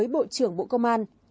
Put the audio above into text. bộ trưởng bộ công an